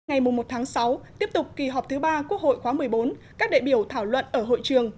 ngày một sáu tiếp tục kỳ họp thứ ba quốc hội khóa một mươi bốn các đại biểu thảo luận ở hội trường